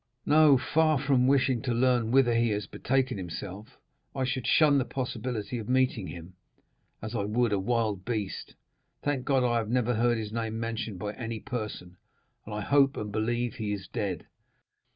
"No; far from wishing to learn whither he has betaken himself, I should shun the possibility of meeting him as I would a wild beast. Thank God, I have never heard his name mentioned by any person, and I hope and believe he is dead."